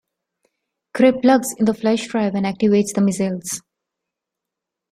Cray plugs in the flash drive and activates the missiles.